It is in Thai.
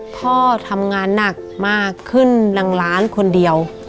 พ่อทำงานหนักมากขึ้นหลังล้านคนเดียว